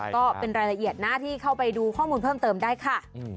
ก็เป็นรายละเอียดนะที่เข้าไปดูข้อมูลเพิ่มเติมได้ค่ะ